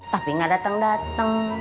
tapi gak dateng dateng